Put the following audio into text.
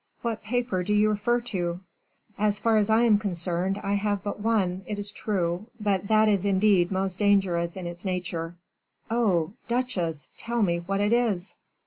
'" "What paper do you refer to?" "As far as I am concerned, I have but one, it is true, but that is indeed most dangerous in its nature." "Oh! duchesse, tell me what it is."